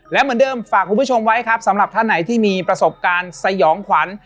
และเหมือนเดิมฝากคุณผู้ชมไว้ครับสำหรับท่านไหนที่มีประสบการณ์สยองขวัญ